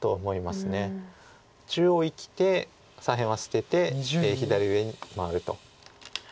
中央生きて左辺は捨てて左上に回ると。